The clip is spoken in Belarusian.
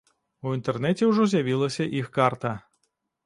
У інтэрнэце ўжо з'явілася іх карта.